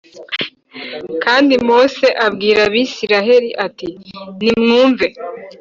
Kandi Mose abwira abisiraaheli ati Nimwumve